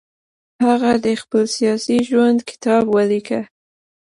هغه د خپل سیاسي ژوند کتاب ولیکه.